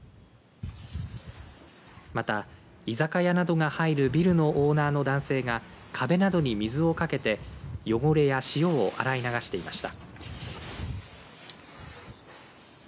また、居酒屋などが入るビルのオーナーの男性が壁などに水をかけて汚れや潮を洗い流していました。